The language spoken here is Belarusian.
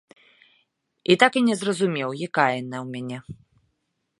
І так і не зразумеў, якая яна ў мяне.